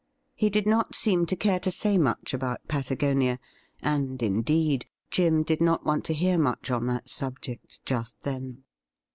He did not seem to care to say much about Patagonia, and, indeed, Jim did not want to hear much on that subject just then.